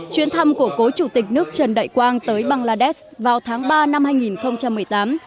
chuyến thăm của cố chủ tịch nước trần đại quang tới bangladesh vào tháng ba năm hai nghìn một mươi tám